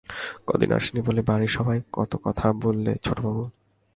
কদিন আসেননি বলে বাড়ির সবাই কত কথা বললে ছোটবাবু।